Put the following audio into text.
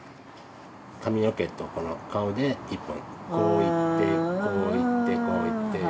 髪の毛とこの顔で１本こういってこういってこういって。